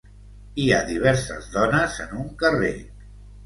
Hi ha diverses dones en un carrer.